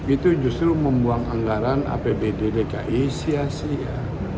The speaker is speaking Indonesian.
itu justru membuang anggaran apbd dki sia sia